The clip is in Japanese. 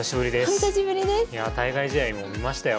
いやあ対外試合も見ましたよ。